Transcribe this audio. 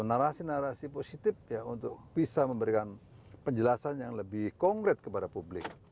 narasi narasi positif ya untuk bisa memberikan penjelasan yang lebih konkret kepada publik